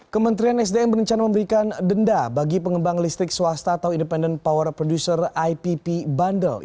kementerian sdm berencana memberikan denda bagi pengembang listrik swasta atau independent power producer ipp bandel